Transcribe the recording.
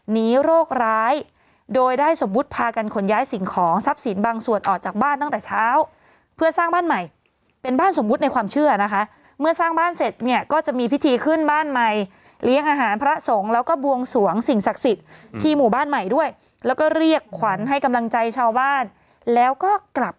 โรคร้ายโดยได้สมมุติพากันขนย้ายสิ่งของทรัพย์สินบางส่วนออกจากบ้านตั้งแต่เช้าเพื่อสร้างบ้านใหม่เป็นบ้านสมมุติในความเชื่อนะคะเมื่อสร้างบ้านเสร็จเนี่ยก็จะมีพิธีขึ้นบ้านใหม่เลี้ยงอาหารพระสงฆ์แล้วก็บวงสวงสิ่งศักดิ์สิทธิ์ที่หมู่บ้านใหม่ด้วยแล้วก็เรียกขวัญให้กำลังใจชาวบ้านแล้วก็กลับ